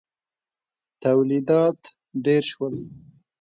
تولیدات ډېر شول.